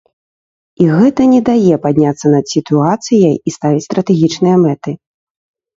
І гэта не дае падняцца над сітуацыяй і ставіць стратэгічныя мэты.